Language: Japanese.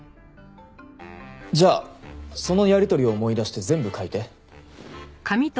じゃあそのやり取りを思い出して全部書いて。